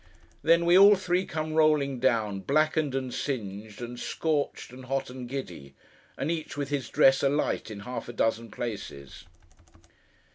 Then, we all three come rolling down; blackened, and singed, and scorched, and hot, and giddy: and each with his dress alight in half a dozen places.